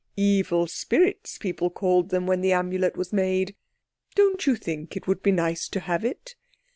Evil spirits, people called them when the Amulet was made. Don't you think it would be nice to have it?"